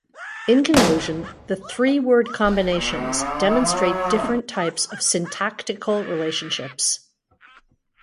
In conclusion, the three word combinations demonstrate different types of syntactical relationships.